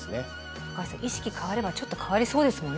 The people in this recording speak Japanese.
高橋さん意識変わればちょっと変わりそうですもんね。